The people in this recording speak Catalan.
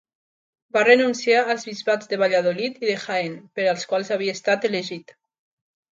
Va renunciar als bisbats de Valladolid i de Jaén, per als quals havia estat elegit.